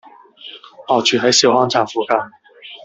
我住喺兆康站附近